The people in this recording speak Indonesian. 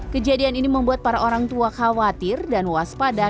kejadian ini membuat para orang tua khawatir dan waspada